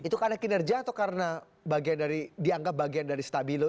itu karena kinerja atau karena bagian dari dianggap bagian dari stabilo